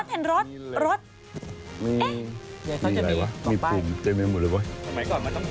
ทำไมก่อนต้องเซียบเข้าไปหรือ